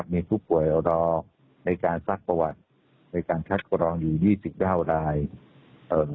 มีผู้ป่วยรอในการซักประวัติในการคัดกรองอยู่๒๐ดาวน์ได้